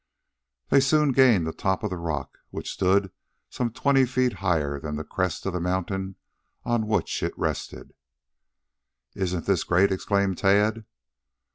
They soon gained the top of the rock, which stood some twenty feet higher than the crest of the mountain on which it rested. "Isn't this great?" exclaimed Tad.